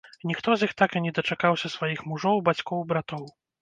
Ніхто з іх так і не дачакаўся сваіх мужоў, бацькоў, братоў.